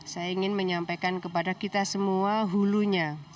saya ingin menyampaikan kepada kita semua hulunya